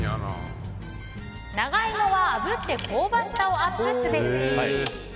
長イモはあぶって香ばしさをアップすべし。